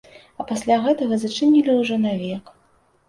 А пасля гэтага зачынілі ўжо навек.